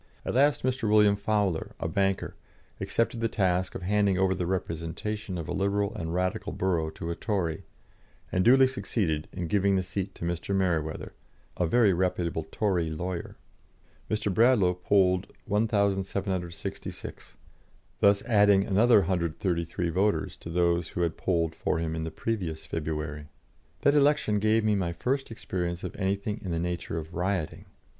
At last Mr. William Fowler, a banker, accepted the task of handing over the representation of a Liberal and Radical borough to a Tory, and duly succeeded in giving the seat to Mr. Mereweather, a very reputable Tory lawyer. Mr. Bradlaugh polled 1,766, thus adding another 133 voters to those who had polled for him in the previous February. That election gave me my first experience of anything in the nature of rioting.